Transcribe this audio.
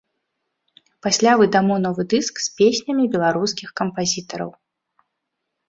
Пасля выдамо новы дыск з песнямі беларускіх кампазітараў.